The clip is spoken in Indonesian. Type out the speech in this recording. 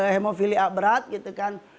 hemofilia berat gitu kan